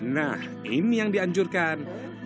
nah ini yang dianjurkan